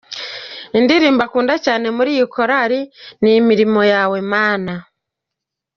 Indirimbo akunda cyane muri iyi korali ni 'Imirimo yawe Mana'.